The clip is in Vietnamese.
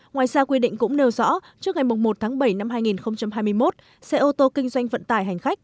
ngoài ra quy định cũng nêu rõ trước ngày một bảy hai nghìn hai mươi một xe ô tô kinh doanh vận tài hành khách